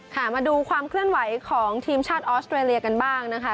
มาดูความเคลื่อนไหวของทีมชาติออสเตรเลียกันบ้างนะคะ